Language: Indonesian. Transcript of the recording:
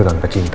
itu tanpa cinta